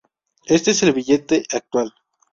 Este es el billete actual.